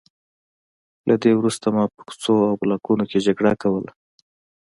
له دې وروسته ما په کوڅو او بلاکونو کې جګړه کوله